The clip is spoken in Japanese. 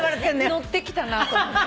乗ってきたなと思って。